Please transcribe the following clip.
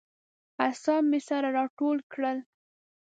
اعصاب مې سره راټول کړل.